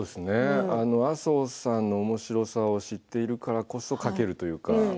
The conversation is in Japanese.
麻生さんのおもしろさを知っているからこそ書けるという。